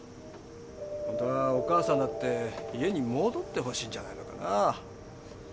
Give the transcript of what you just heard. ホントはお母さんだって家に戻ってほしいんじゃないのかな。